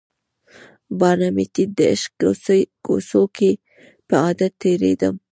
باڼه مې ټیټ د عشق کوڅو کې په عادت تیریدم